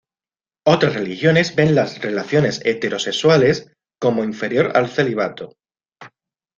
Otras religiones ven las relaciones heterosexuales como inferior al celibato.